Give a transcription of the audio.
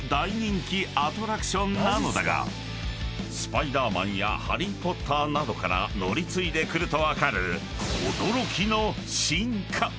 ［スパイダーマンやハリー・ポッターなどから乗り継いでくると分かる］